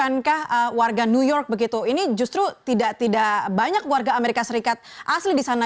bukankah warga new york begitu ini justru tidak banyak warga amerika serikat asli di sana